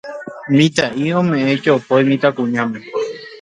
Mitã'i ome'ẽ jopói mitãkuñáme.